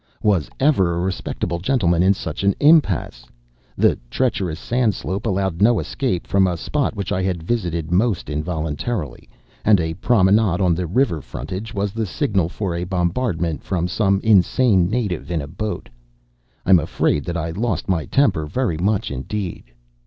Was ever a respectable gentleman in such an impasse? The treacherous sand slope allowed no escape from a spot which I had visited most involuntarily, and a promenade on the river frontage was the signal for a bombardment from some insane native in a boat. I'm afraid that I lost my temper very much indeed.